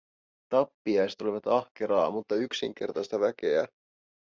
Tappiaiset olivat ahkeraa, mutta yksinkertaista väkeä.